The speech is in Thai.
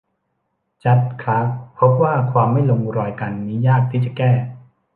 จัดจ์ คลาร์กพบว่าความไม่ลงรอยกันนี้ยากที่จะแก้